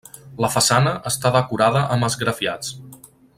La façana està decorada amb esgrafiats.